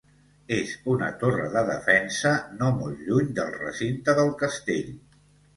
És una torre de defensa no molt lluny del recinte del castell.